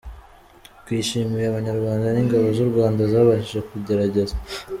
twishimiye abanyarwanda n’ingabo z’u Rwanda zabashije kugerageza.